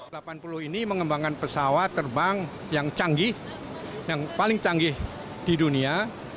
pesawat delapan puluh ini mengembangkan pesawat terbang yang canggih yang paling canggih di dunia